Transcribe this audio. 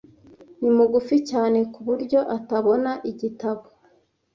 Ni mugufi cyane ku buryo atabona igitabo